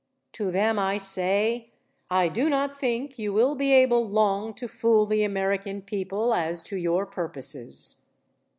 To them I say: I do not think you will be able long to fool the American people as to your purposes.